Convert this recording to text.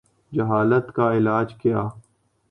جہالت کا علاج کیا؟